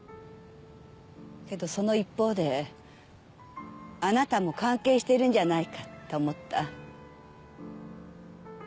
けどその一方であなたも関係しているんじゃないかって思った。